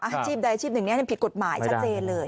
อาชีพใดอาชีพหนึ่งนี้ผิดกฎหมายชัดเจนเลย